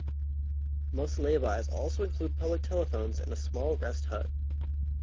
Most laybys also include public telephones and a small rest hut.